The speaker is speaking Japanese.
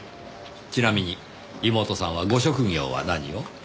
ちなみに妹さんはご職業は何を？